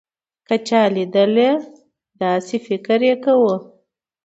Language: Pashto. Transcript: که چا لېدله داسې فکر يې کوو.